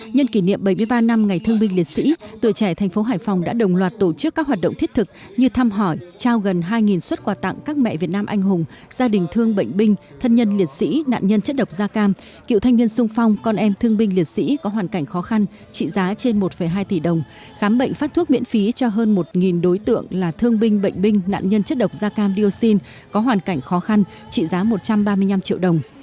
nhân kỷ niệm bảy mươi ba năm ngày thương binh liệt sĩ tuổi trẻ thành phố hải phòng đã đồng loạt tổ chức các hoạt động thiết thực như thăm hỏi trao gần hai xuất quà tặng các mẹ việt nam anh hùng gia đình thương bệnh binh thân nhân liệt sĩ nạn nhân chất độc da cam cựu thanh niên sung phong con em thương binh liệt sĩ có hoàn cảnh khó khăn trị giá trên một hai tỷ đồng khám bệnh phát thuốc miễn phí cho hơn một đối tượng là thương binh bệnh binh nạn nhân chất độc da cam diô sin có hoàn cảnh khó khăn trị giá một trăm ba mươi năm triệu đồng